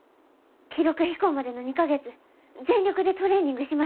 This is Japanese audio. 記録飛行までの２か月全力でトレーニングします。